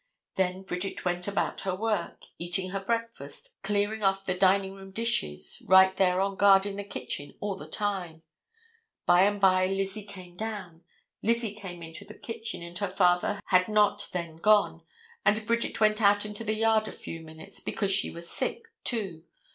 Then Bridget went about her work, eating her breakfast, clearing off the dining room dishes, right there on guard in the kitchen all the time. By and by Lizzie came down. Lizzie came into the kitchen, and her father had not then gone and Bridget went out into the yard a few minutes, because she was sick, too.